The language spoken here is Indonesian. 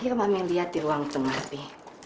terakhir mama yang liat di ruang tengah pi